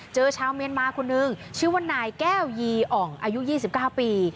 ชาวเมียนมาคนนึงชื่อว่านายแก้วยีอ่องอายุ๒๙ปี